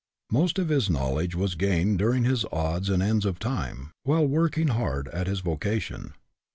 Most of his knowledge was gained during his odds and ends of time, while working hard at his vocation.